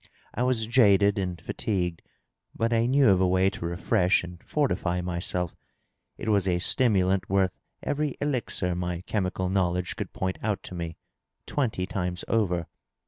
I was i'aded and fatigued, but I knew of a way to refresh and fortify myself, t was a stimulant worth every elixir my chemical knowledge could point out to me, twenty times over.